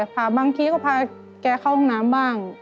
บางทีก็พาแกเข้าห้องน้ำบ้าง